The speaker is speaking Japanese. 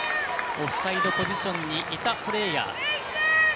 オフサイドポジションにいたプレーヤー。